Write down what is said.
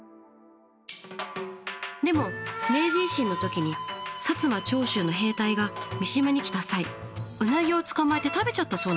でも明治維新の時に摩・長州の兵隊が三島に来た際ウナギを捕まえて食べちゃったそうなんです。